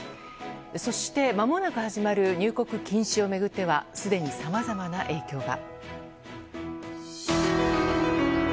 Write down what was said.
そしてまもなく始まる入国禁止を巡ってはすでにさまざまな影響が。